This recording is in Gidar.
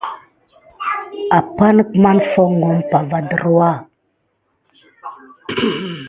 Umpay ne mā foŋko va ɗurwa.